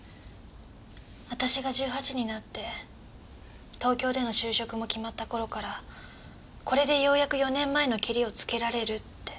私が１８になって東京での就職も決まった頃から「これでようやく４年前のケリをつけられる」って。